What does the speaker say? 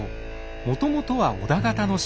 もともとは織田方の城。